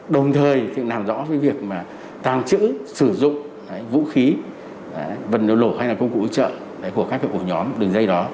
đồng thời làm rõ việc tàng trữ sử dụng vũ khí vận lộ hay là công cụ ưu trợ của các ổ nhóm đường dây đó